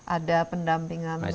ada pendampingan terus menerus